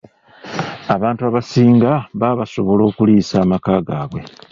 Abantu abasinga babba basobole okuliisa amaka gaabwe.